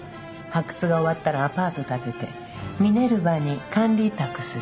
発掘が終わったらアパート建ててミネルヴァに管理委託する。